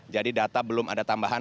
jadi data belum ada tambahan